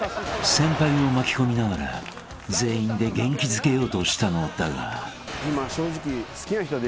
［先輩を巻き込みながら全員で元気づけようとしたのだが］